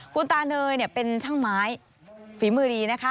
คุณตาเนยเป็นช่างไม้ฝีมือดีนะคะ